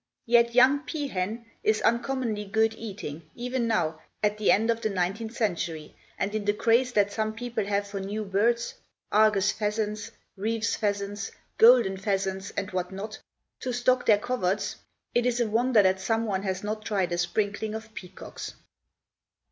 Yet young peahen is uncommonly good eating, even now, at the end of the nineteenth century, and in the craze that some people have for new birds Argus pheasants, Reeve's pheasants, golden pheasants and what not to stock their coverts, it is a wonder that some one has not tried a sprinkling of peacocks.